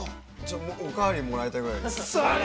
おかわりもらいたいぐらいです。